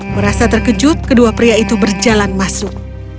merasa terkejut kedua pria itu berjalan masuk